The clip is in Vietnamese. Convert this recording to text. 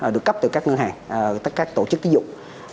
được cấp từ các ngân hàng các tổ chức tiến dụng